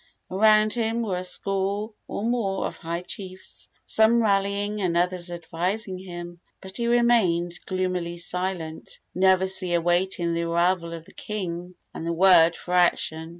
Around him were a score or more of high chiefs, some rallying and others advising him; but he remained gloomily silent, nervously awaiting the arrival of the king and the word for action.